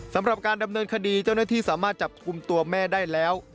สำหรับการดำเนินคดีเจ้าหน้าที่สามารถจับกลุ่มตัวแม่ได้แล้ว